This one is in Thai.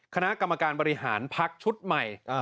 คณะกรรมการบริหารภักดิ์ชุดใหม่อ่า